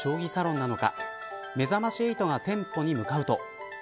ンなのかめざまし８が店舗に向かうと。